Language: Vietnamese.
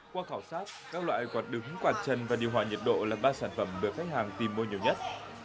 qua khảo sát các loại quạt đứng quạt chân và điều hòa nhiệt độ là ba sản phẩm được khách hàng tìm mua nhiều nhất